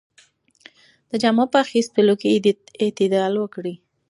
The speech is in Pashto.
د جامو په اخیستلو کې اعتدال وکړئ.